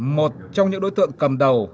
một trong những đối tượng cầm đầu